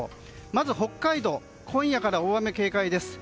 まず、北海道は今夜から大雨に警戒です。